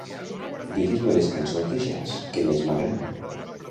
Digues-me les cançons de jazz que més m'agraden.